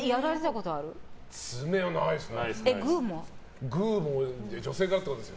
爪はないですね。